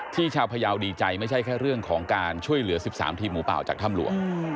ชาวพยาวดีใจไม่ใช่แค่เรื่องของการช่วยเหลือ๑๓ทีมหมูป่าจากถ้ำหลวง